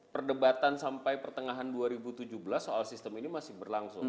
perdebatan sampai pertengahan dua ribu tujuh belas soal sistem ini masih berlangsung